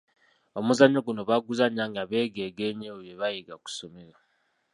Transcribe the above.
Omuzannyo guno baguzannya nga bageegeenya ebyo bye bayiga ku ssomero.